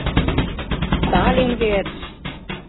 Сталин верч!»